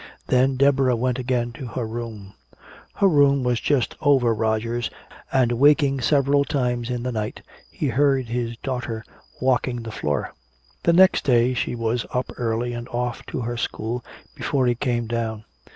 Then Deborah went again to her room. Her room was just over Roger's, and waking several times in the night he heard his daughter walking the floor. The next day she was up early and off to her school before he came down.